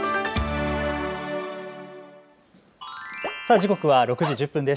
時刻は６時１０分です。